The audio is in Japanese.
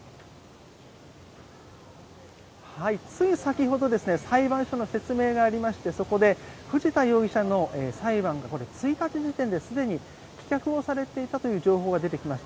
つい先ほど裁判所の説明がありましてそこで藤田容疑者の裁判が１日時点ですでに棄却されていたという情報が出てきました。